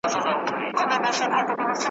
زه به په چیغو چیغو زړه درسره وژړوم ,